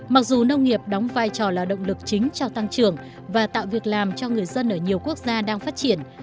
mặc dù nông nghiệp đóng vai trò là động lực chính cho tăng trưởng và tạo việc làm cho người dân ở nhiều quốc gia đang phát triển